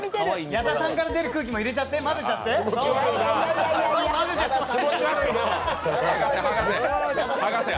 矢田さんから出る空気も入れちゃって、混ぜちゃって！